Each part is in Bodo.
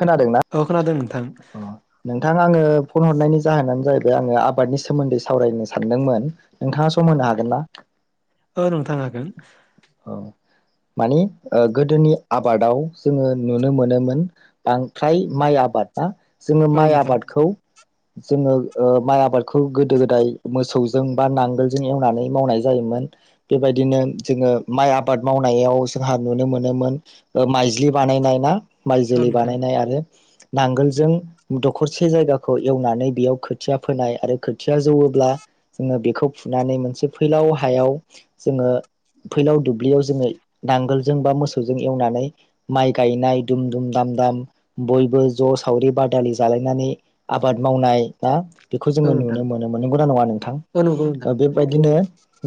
खोनादोंना औ खोनादों नोंथां नोंथां आङो फन हरनायनि जाहोनानो जाहै आङो आबादनि सोमोन्दै सावरायनो सानदोंमोन नोंथाङा सम होनो हागोन ना? ओ नोंथां हागोन औ मानि ओ गोदोनि आबादाव जोङो नुनो मोनोमोन बांथ्राय माइ आबादा जोङो औ माइ नोंथां आबादखौ जोङो ओ माइ आबादखौ गोदो गोदाय मोसौजों बा नांगोलजों एवनानै मावनाय जायोमोन बेबायदिनो जोङो माइ आबाद मावनायाव जोंहा नुनो मोनोमोन ओ माइज्लि बानायनाय ना? माइ औ जोलै नोंथां बानायनाय आरो नांगोलजों दखरसे जायगाखौ एवनानै बेयाव खोथिया फोनाय आरो खोथिया जौवोब्ला जोङो बेखौ फुनानै मोनसे फैलाव हायाव जोङो फैलाव दुब्लियाव जोङो नांगोलजों बा मोसौजों एवनानै माइ गायनाय दुम दुम दाम दाम बयबो ज' सावरि बादालि जालायनानै आबाद मावनाय ना बेखौ औ जोङो नोंथां नुनो मोनोमोन नोंगौना नङा दा नोंथां औ नंगौ नोंथां ओ बेबायदिनो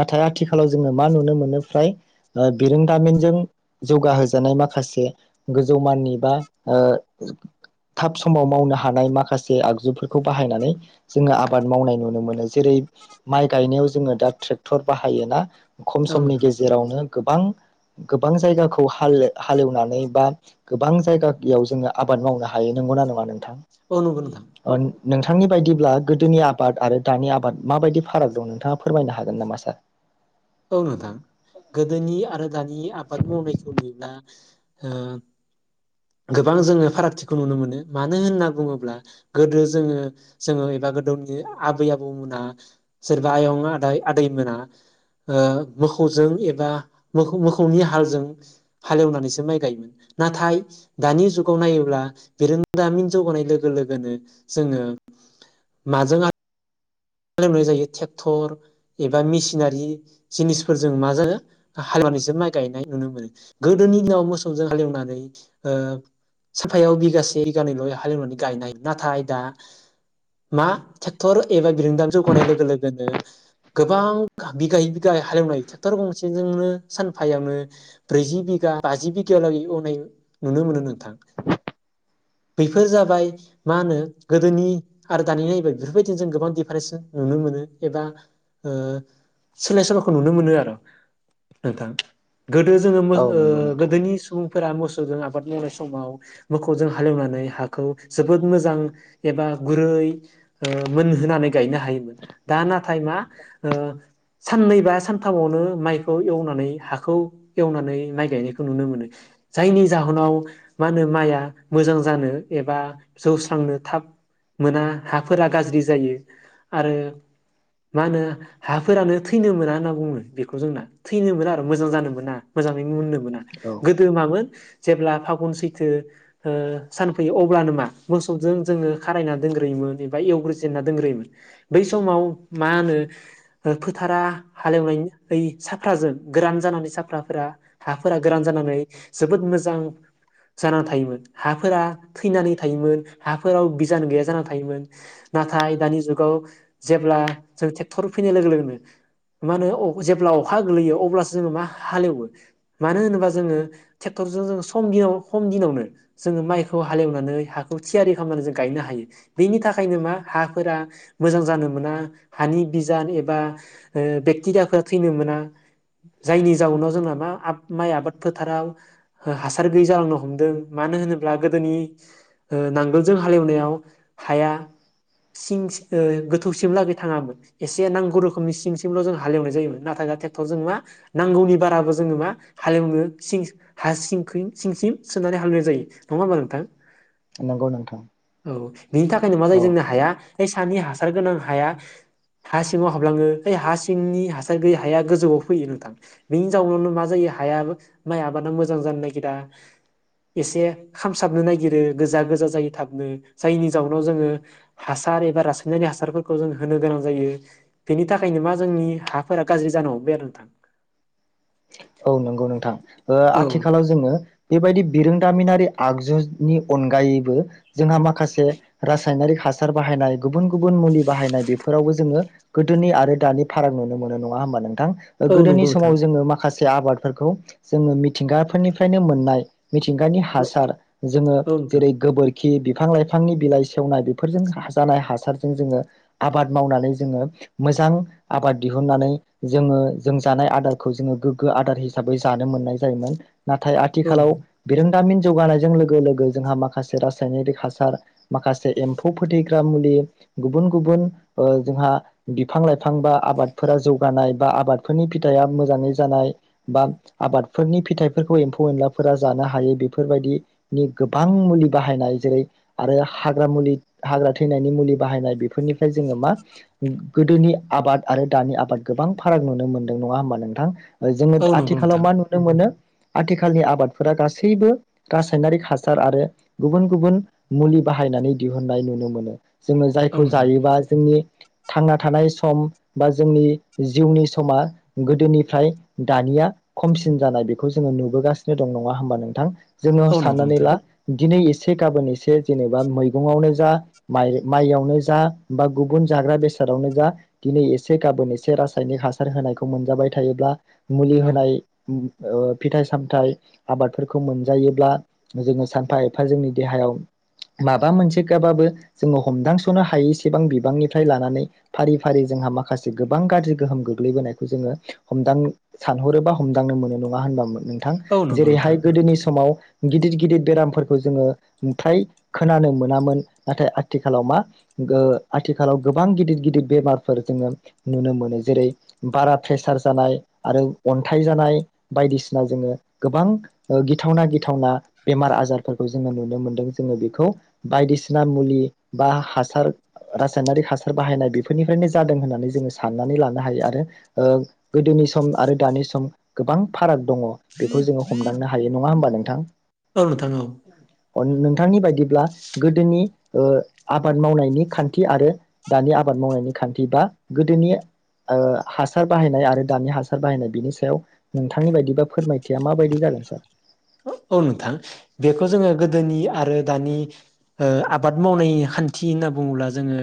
नाथाय आथिखालाव जोङो मा नुनो मोनो फ्राय बिरोंदामिनजों जौगाहोजानाय माखासे गोजौ माननि बा थाब समाव मावनो हानाय माखासे आगजुफोरखौ बाहायनानै जोङो आबाद मावनाय नुनो मोनो जेरै माइ गायनायाव जोङो दा ट्रेक्टर बाहायो ना औ नों [unintelligible] [unintelligible] गोबां गोबां जायगाखौ हाले हालेवनानै बा गोबां जायगायाव जोङो आबाद मावनो हायो नंगौना नङा नों अ नंगौ नोंथां। नोंथांनि बायदिब्ला गोदोनि आबाद आरो दानि आबाद माबायदि फाराग दं नोंथाङा फोरमायनो हागोन नामा सार? औ नोंथां गोदोनि आरो दानि आबाद मावनायखौ नुला ओ गोबां जोङो फारागथिखौ नुनो मोनो मानो होनना बुङोब्ला गोदो जोङो जोङो एबा गोदोनि आबै आबौमोना सोरबा आयं आदाय आदैमोना ओ मोखौजों एबा मोखौ मोखौनि हालजों हालेवनानैसो माइ गायोमोन नाथाय दानि जुगाव नायोब्ला बिरोंनोदामिन जौगानाय लोगो लोगोनो जोङो माजों आ हालेवनाय जायो ट्रेक्टर एबा मेसिनारि जिनिसफोरजों मा जागो हालेवनानैसो माइ गायनाय नुनो मोनो गोदोनि दिनाव मोसौजों हालेवनानै ओ साफायाव बिगासे बिगानैल' हालेवनानै गायनाय नाथाय दा मा ट्रेक्टर एबा बि दाम जौ गनाय लोगो लोगोनो गोबां बिगायै बिगा हालेवनाय ट्रेक्टर गंसेजोंनो सानफायावनो ब्रैजि बिगा बाजि बिगा लागै गनाय नुनो मोनो नोंथां बेैफोर जाबाय मा होनो गोदोनि आरो दानि नायबाय बेफोरबायदि जों गोबां नुनो मोनो एबा ओ सोलाय सोल'खौ नुनो मोनो आरो नोंथां गोदो जोङो मो औ ओ नंगौ नोंथां गोदोनि सुबुं फोर मोसौजों आबाद मावनाय समाव मोखौजों हालेवनानै हाखौ जोबोद मोजां एबा गुरै ओ मोनहोनानै गायनो हायोमोन दा नाथाय मा ओ साननै बा सानथामावनो माइखौ एवनानै हाखौ एवनानै माइ गायनायखौ नुनो मोनो जायनि जाहोनाव मा होनो माइआ मोजां जानो एबा जौस्रांनो थाब मोना हाफोरा गाज्रि जायो। आरो मा होनो हाफोरानो थैनो मोना होनना बुङो बेखौ जोंना थैनो मोना आरो मोजां जानो मोना मोजाङै मोननो मोना औ गोदो मामोन जेब्ला फागुन सैथो ओ सानफैयो अब्लानो मा मोसौजों जोङो खारायना दोनग्रोयोमोन एबा एवग्रोजेनना दोनग्रोयोमोन बै समाव मा होनो फोथारा हालेवनायनि साफाजों गोरान जानानै साफ्राफोरा हाफोरा गोरान जानानै जोबोद मोजां जानानै थायोमोन हाफोरा थैनानै थायोमोन हाफोराव बिजान गैया जानानै थायोमोन नाथाय दानि जुग गाव जेब्ला जों ट्रेक्टर फैनाय लोगो लोगोनो मा होनो जेब्ला अखा गोग्लैयो अब्लासो जोङो मा हालेवो मानो होनोबा जोङो ट्रेक्टरजों जोङो सम दिनाव सम दिनावनो जोङो माइखौ हालेवनानै हाखौ थियारि खालामनानै जों गायनो हायो बेनि थाखायनो मा हाफोरा मोजां जानो मोना हानि बिजान एबा ओ बेक्टेरियाखौ थैनो मोना जायनि जाउनाव जोंना मा-माइ आबाद फोथाराव हासार गैयै जालांनो हमदों मानो होनोब्ला गोदोनि नांगोलजों हालेवनायाव हाया सिं ओ गोथौसिमलागै थाङामोन एसे नांगौ रोखोमनि सिंसिमल' जों हालेवनाय जायोमोन नाथाय दा ट्रेक्टर जों मा नांगौनि बाराबो जोङो मा हालेवनो सिं हा सिं-सिं-सिम सोनानै हालेवनाय जायो नङा होमबा नोंथां। नंगौ नोंथां औ बिनि थाखायनो मा जायो औ जोंनो हाया हानि हासार गोनां हाया हा सिङाव हाबलाङो ओइ हा सिंनि हासार गैयै हाया गोजौव फैयो नोंथां बेनि जाउनावनो मा जायो हाया माइ आबादा मोजां जानो नागिरा एसे खामसाबनो नागिरो गोजा गोजा जायो थाबनो जायनि जाउनाव जोङो हासार ए र रासायनानै हासारफोरखौ जों होनो गोनां जायो बेनि थाखायनो मा जोंनि हाफोरा गाज्रि जानांगौ बे आरो नोंथां। औ नंगौ नोंथां। ओ औ आथिखालाव जोङो बेबायदि बिरोंदामिनारि आगजुनि अनगायैबो जोंहा माखासे रासायनारि हा हासार बाहायनाय गुबुन गुबुन मुलि बाहायनाय बेफोरावबो जोङो गोदोनि आरो दानि फाराग नुनो मोनो नङा होमबा नों थां औ गोदोनि नंगौ नोंथां समाव जोङो माख माखासे आबादफोरखौ जोङो मिथिंगाफोरनिफ्रायनो मोननाय मिथिंगानि औ हासार जोङो औ नोंथां जेरै गोबोर खि बिफां लाइफांनि बिलाइ सेवनाय बेफोरजों जानाय हासारजों जोङो आबाद मावनानै जोङो मोजां आबाद दिहुनन्नानै जोङो जों जानाय आदारखौ जोङो गो गो आदार हिसाबै जानो मोननाय जायोमोन नाथाय औ आथिखालाव बिरोंदामिन जौगानायजों लोगो लोगो जोंहा माखासे रासायनिारि हासार माखासे एम्फौ फोथैग्रा मुलि गुबुन गुबुन ओ जोंहा बिफां लाइफां बा आबादफोरा जौगानाय बा आबादफोरनि फिथाइया मोजाङै जानाय बा आबादफोरनि फिथाइफोरखौ एम्फौ एनलाफोरा जानो हायो बेफोरबायदिनि गोबां मुलि बाहायनाय जेरै आरो हाग्रा मुलि हाग्रा थैनायनि मुलि बाहायनाय बेफोरनिफ्राय जोङो मा गोदोनि आबाद आरो दानि आबाद गोबां फाराग नुनो मोनदों नङा होमबा नोंथां। जोङो औ नंगौ आथिखालाव नोंथां मा नुनो मोनो। आथिखालनि आबादफोरा गासैबो रासायनारिक हासार आरो गुबुन गुबुन मुलि बाहायनानै दिहुननाय नुनो मोनो। जोङो औ जायखौ नोंथां जायोबा जोंनि थांना थानाय सम बा जोंनि जिउनि समा गोदोनिफ्राय दानिया खमसिन जानाय बेखौ जोङो नुबोगासिनो दं नङा होमबा नोंथां। जोङो औ नंगौ साननानै नोंथां ला दिनै एस एसे गाबोन एसे जेनेबा मैगंआवनो जा माइयावनो जा बा गुबुन जाग्रा बेसादावनो जा दिनै एसे गाबोन एसे रासायनिक हासार होनायखौ मोनजाबाय थायोब्ला मुलि औ होनाय उम ओ फिथाइ सामथाइ आबादफोरखौ मोनजायोब्ला जोङो सानफा एफा जोंनि देहायाव माबा मोनसे गाबाबो जोङो हमदांस'नो हायैसेबां बिबांनिफ्राय लानानै फारि फारि जोंहा माखासे गोबां गाज्रि गोहोम गोग्लैबोनायखौ जोङो हमदां सानहरोबा हमदांनो मोनो नङा होनबामोन नोंथां औ नंगौ नोंथां जेरैहाय गोदोनि समाव गिदिर गिदिर बेरामफोरखौ जोङो फ्राय खोनानो मोनामोन नाथाय आथिखालाव मा ओ आथिखालाव गोबां गिदिर गिदिर बेमारफोर जोङो नुनो मोनो जेरै बारा प्रेसार जानाय आरो अन्थाइ जानाय बायदिसिना जोङो गोबां ओ गिथावना गिथावना बेमार आजारफोरखौ जों नुनो मोदों जों बेखौ बायदिसिना मुलि बा हासार रासायनारिक हासार बाहायनाय बेफोरनिफ्रायनो जादों होननानै जों सनानै लानो हायो आरो ओ गोदोनि सम सम आरो दानि सम गोबां फाराग दङ बेखौ जोङो हमदांनो हायो नङा होमबा नों थां। औ नोंथां औ अन नों नोंथांनि बायदिब्ला गोदोनि ओ आबाद मावनायनि खान्थि आरो दानि आबाद मावनायनि खान्थि बा गोदोनि ओ हासार बाहायनाय आरो दानि हासार सार बाहायनाय बिनि सायाव नोंथांनि बायदि बा फोरमायथिया माबायदि जागोन सार। औ नोंथां बेखौ जोङो गोदोनि आरो दानि ओ आबाद मावनाय खान्थि होनना बुङोब्ला जोङो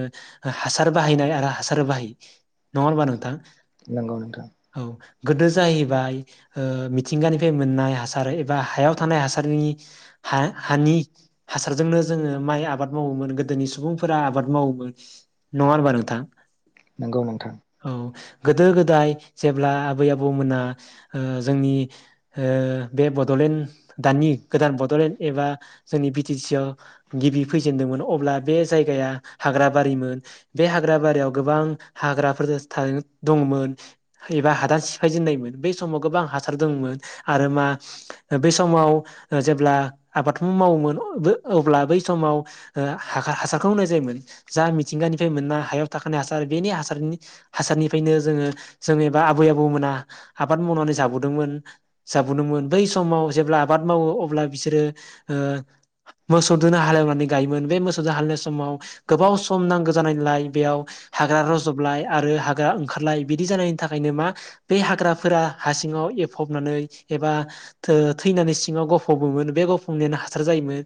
हासार बाहायनाय आरो हासार बाहायि नङा होमबा नोंथां। नंगौ नोंथां औ गोदो जायो बाय ओ मिथिंगानिफाय मोननाय हासार ओ बा हायाव थानाय हासारनि हा हानि हासारजोंनो जोङो माइ आबाद मावोमोन गोदोनि सुबुंफोरा आबाद मावोमोन नङा होनबा नोंथां। नोंगौ नोंथां। औ गोदो गोदाय जेब्ला आबै आबौमोना ओ जोंनि ओ बे ब बड'लेण्ड दानि गोदान बड'लेण्ड एबा जोंनि बि टि सि आव गिबि फैजेनदोंमोन अब्ला बे जायगाया हाग्राबारिमोन बे हाग्रा बारियाव गोबां हाग्राफोर थारैनो दंमोन एबा हादान सिफायजेननायमोन बे समाव गोबां हासार दंमोन आरो मा बै समाव ओ जेब्ला आबादखौ मावोमोन अब्ला बै समाव ओ हा हासारखौ होनाय जायोमोन जा मिथिंगानिफ्राय मोना हायाव थाखानाय हासार बेनि हासारनि हासारनिफ्रायनो जोङो जोङो एबा आबै आबौ मोना आबाद मावनानै जाबोदोंमोन जाबदोंमोन बै समाव जेब्ला आबाद मावो अब्ला बिसोरो ओ मोसौदोनो हालेवनानै गायोमोन बे मोसौजों हालेवनाय समाव गोबाव सम नांगौ जानायलाय बेयाव हाग्रा रज'बलाय आरो हाग्रा ओंखारलाय बिदि जानायनि थाखायनो मा बे हाग्राफोरा हासिङाव एफबनानै एबा थो थैनानै सिङाव गफबोमोन बे गफबनायानो हासार जायोमोन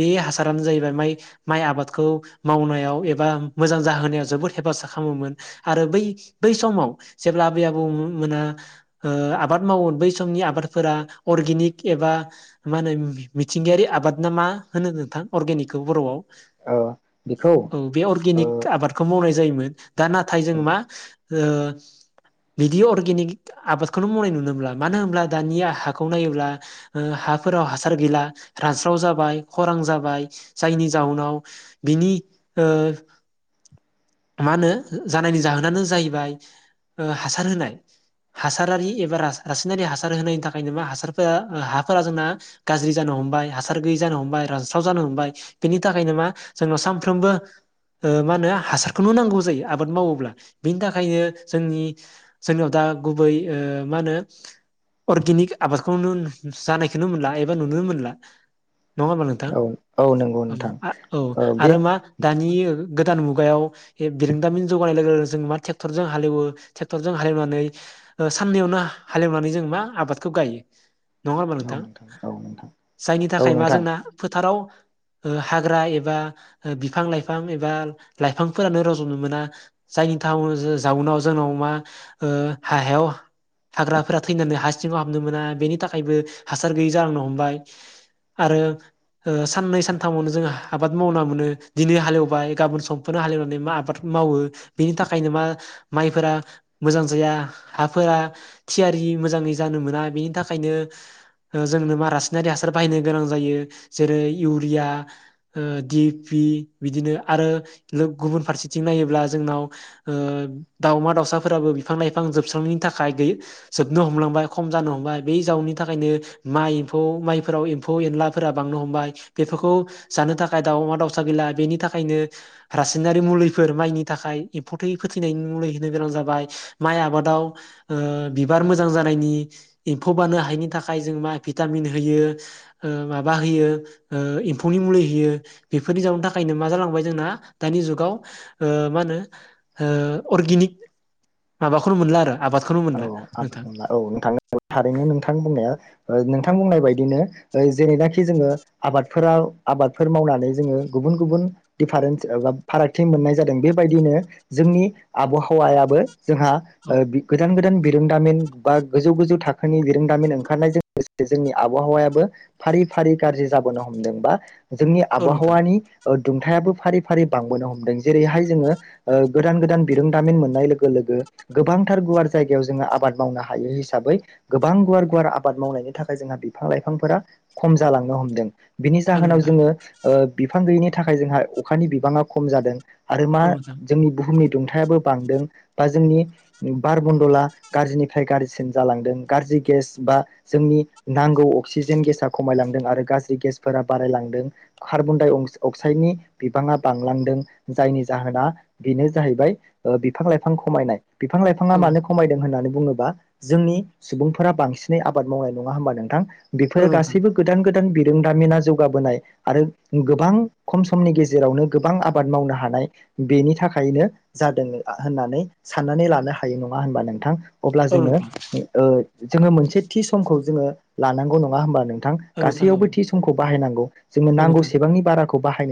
बे हासारानो जाहैबाय माइ माइ आबादखौ मावनायाव एबा मोजां जाहोनायाव जोबोद हेफाजाब खालामोमोन आरो बै बै समाव जेब्ला आबै आबौ मोना ओ आबाद मावोमोन बै समनि आबादफोरा अर्गेनिक एबा मा होनो मिथिंगायारि आबाद ना मा होनो नोंथां अर्गेनिकखौ बर'आव ओ बेखौ औ बे ओ अर्गेनिक आबादखौ मावनाय जायोमोन। दा नाथाय औ जों मा ओ बिदि अर्गेनिक आबादखौनो मावनाय नुनो मोनब्ला मानो होनब्ला दानिया हाखौ नायोब्ला ओ हाफोराव हासार गैला रानस्राव जाबाय खरां जाबाय जायनि जाउनाव बिनि ओ मा होनो जानायनि जाहोनानो जाहैबाय ओ हासार होनाय हासारारि एबा रासायनारि हासार होनायनि था खायनो मा हासारफोरा हाफोरा जोंना गाज्रि जानो हमबाय हासार गैयै जानो हमबाय रानस्राव जानो हमबाय बिनि थाखायनो मा जोंनाव सामफ्रोमबो ओ मा होनो हासारखौनो नांगौ जायो आबाद मावोब्ला बिनि थाखायनो जोंनि जोंनाव दा गुबै ओ मा होनो अर्गेनिक आबादखौनो जानायखौनो मोनला एबा नुनो मोनला। नङा होमबा नोंथां औ नंगौ औ नोंथां औ ओ बे आरो मा दानि गोदान मुगायाव बिरोंदामिन जौगानाय लोगो जों मा ट्रेक्टरजों हालेवो ट्रेक्टरजों हालेवनानै ओ साननैयावनो हालेवनानै जों मा आबाद खौ गायो। नङा होमबा औ नोंथां औ नोंथां जायनि औ थाखाय मा नोंथां जोंना फोथाराव ओ हाग्रा एबा ओ बिफां लाइफां एबा लाइफांफोरानो रज'नो मोना जायनि थउनाव जाउनाव जोंनाव मा ओ हायाव हाग्राफोरा थैनानै हा सिङाव हाबनो मोना बेनि थाखायबो हासार गैयै जालांनो हमबाय आरो ओ साननै सानथामावनो जों आबाद मावना मोनो दिनै हालेवबाय गाबोन समफोरनो हालेवनानै मा आबाद मावो बेनि थाखायनो मा माइफोरा मोजां जाया हाफोरा थियारि मोजाङै जानो मोना बेनि थाखायनो ओ जोंनो मा रासायनारि हासार बायनो गोनां जायो जेरै इउरिया ओ डि पि बिदिनो आरो लोब गुबुन फारसेथिं नायोब्ला जोंनाव ओ दाउमा दाउसाफोराबो बिफां लाइफां जोबस्रांनायनि थाखायै गै जोबनो हमलांबाय। खम जानो हमबाय बे जाउननि थाखायनो माइ एम्फौ माइफोराव एम्फौ एनलाफोरा बांनो हमबाय बेफोरखौ जानो थाखाय दाउमा दाउसा गैला बेनि थाखायनो रासायनारि मुलिफोर माइनि थाखाय एम्फौ थै फोथैनायनि मुलि होनो गोनां जाबाय माइ आबादाव ओ बिबार मोजां जानायनि एम्फौ बानो हायिनि थाखाय जों मा भिटामिन होयो ओ माबा होयो ओ एम्फुनि मुलि होयो बेफोरनि जाउननि थाखायनो मा जालांबाय जोंना दानि जुगाव ओ मा होनो ओ अर्गेनिक माबाखौनो मोनला आरो। आबादखौनो औ मोनला आबाद नोंथां। मावना नोंथां औ थारैनो नोंथां बुंनाया ओ नोंथां बुंनाय बायदिनो ओ जेरैनाखि जोङो आबादफोरा आबादफोर मावनानै जोङो गुबुन गुबुन दिडफारेन्ट एबा फारागथि मोननाय जादों बेबायदिनो जोंनि आबहावायाबो जोंहा औ ओ बि गोदान गोदान बिरोंदामिन बा गोजौ गोजौ थाखोनि बिरोंदामिन ओंखारनायजों लोगोसे जोंनि आबहावायाबो फारि फारि गाज्रि जाबोनो हमदों बा जोंनि औ नोंथां आबहावानि ओ दुंथायाबो फारि फारि बांबोनो हमदों जेरैहाय जोङो ओ गोदान गोदान बिरोंदामिन मोननाय लोगो लोगो गोबां थार गुवार जायगायाव जोङो आबाद मावनो हायो हिसाबै गोबां गुवार गुवार आबाद मावनायनि थाखाय जोंहा बिफां लाइफांफोरा खम जालांनो हमदों। बेनि औ जाहोनाव नोंथां जोङो ओ बिफां गैयिनि थाखाय जोंहा अखानि बिबाङा खम जादों। आरो मा औ नोंथां जोंनि बुहुमनि गुदुंथायाबो बांदों। बा जोंनि बार मन्दला गाज्रिनिफ्राय गाज्रिसिन जालांदों गाज्रि गेस बा जोंनि नांगौ अक्सिजेन गेसा खमायलांदों आरो गाज्रि गेसफोरा बारायलांदों खार्बनडाइ अं- अक्साइडनि बिबाङा बांलांदों जायनि जाहोना बेनो जाहैबाय बिफां लाइफां खमायनाय। बिफां लाइफाङा औ मानो खमायदों होननानै बुङोबा जोंनि सुबुंफोरा बांसिनै आबाद मावनाय नङा होमबा नोंथां? औ बेफोरो नोंथां गासैबो गोदान गोदान बि बिरोंदामिना जौगाबोनाय आरो गोबां खम समनि गेजेरावनो गोबां आबाद मावनो हानाय बेनि थाखायनो जादों होननानै सा साननानै लानो हायो नङा होनबा नोंथां? अब्ला औ जोङो नोंथां उम ओ जोङो मोनसे थि समखौ जोङो लानांगौ नङा होमबा नों थां औ नोंथां औ गासैयावबो थि समखौ बाहायनांगौ जोंनो औ नांगौ नोंथां सेबांनि बारा खौ बाहायनो